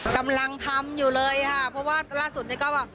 กำลังทำอยู่เลยค่ะเพราะว่าล่าสุดเนี่ยก็แบบ